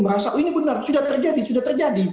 merasa oh ini benar sudah terjadi sudah terjadi